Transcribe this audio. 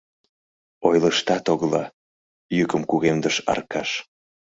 — Ойлыштат огыла! — йӱкым кугемдыш Аркаш.